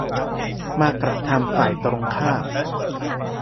มากระทำฝ่ายตรงข้าม